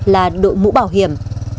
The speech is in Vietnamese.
là đội mũ bảo hiểm